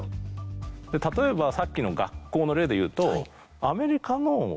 例えばさっきの学校の例でいうと。